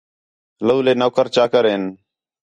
لَولے نوکر چاکر ہِن